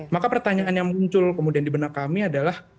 maka pertanyaan yang muncul kemudian di benak kami adalah